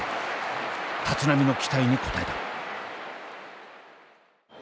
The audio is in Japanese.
立浪の期待に応えた。